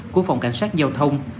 của phòng cảnh sát giao thông